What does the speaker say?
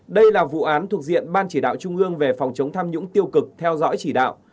đây là vụ án thuộc diện ban chỉ đạo trung ương về phòng chống tham nhũng tiêu cực theo dõi chỉ đạo